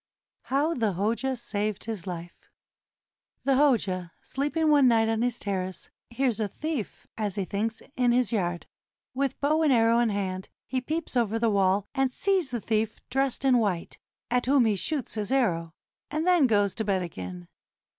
HOW THE HOJA SAVED HIS LIFE The Hoja, sleeping one night on his terrace, hears a thief, as he thinks, in his yard. With bow and arrow in hand, he peeps over the wall, and sees the thief dressed in white, at whom he shoots his arrow, and then goes to bed again.